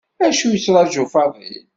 Acu yettṛaju Faḍil?